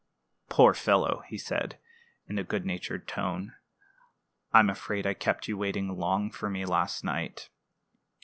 "Poor fellow!" he said, in a good natured tone, "I'm afraid I kept you waiting long for me last night.